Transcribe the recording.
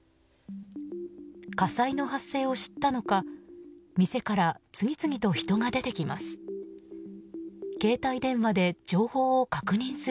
火災の発生を知ったのか店から、次々と人が出てきます。